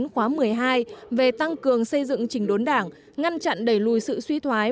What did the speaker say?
khóa một mươi hai về tăng cường xây dựng trình đốn đảng ngăn chặn đẩy lùi sự suy thoái